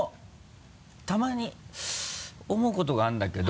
たまに思うことがあるんだけど。